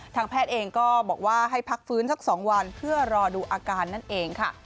ทางแพทย์เองก็บอกว่าให้พักฟื้นสัก๒วันเพื่อรอดูอาการนั่นเองค่ะ